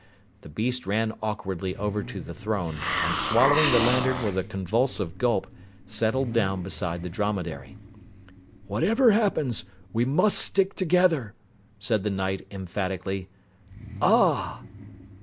The beast ran awkwardly over to the throne, and swallowing the lantern with a convulsive gulp, settled down beside the dromedary. "Whatever happens, we must stick together," said the Knight emphatically. "Ah